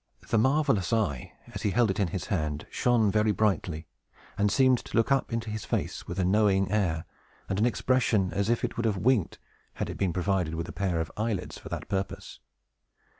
The marvelous eye, as he held it in his hand, shone very brightly, and seemed to look up into his face with a knowing air, and an expression as if it would have winked, had it been provided with a pair of eyelids for that purpose.